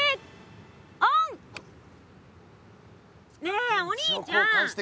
ねえお兄ちゃん！